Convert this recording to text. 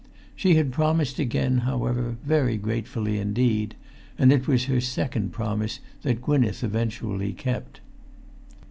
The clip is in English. She had promised again, however, very gratefully indeed; and it was her second promise that Gwynneth eventually kept.